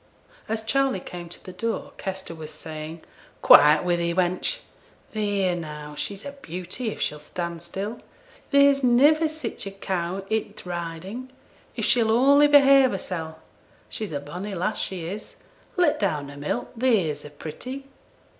As Charley came to the door, Kester was saying, 'Quiet wi' thee, wench! Theere now, she's a beauty, if she'll stand still. There's niver sich a cow i' t' Riding; if she'll only behave hersel'. She's a bonny lass, she is; let down her milk, theere's a pretty!'